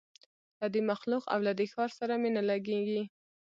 له دې مخلوق او له دې ښار سره مي نه لګیږي